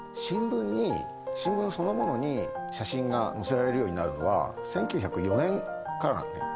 新聞そのものに写真が載せられるようになるのは１９０４年からなんだよ。